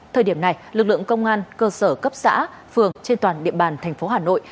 thời điểm này lực lượng công an cơ sở cấp xã phường trên toàn địa bàn tp hà nội